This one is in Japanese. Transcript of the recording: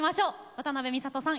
渡辺美里さん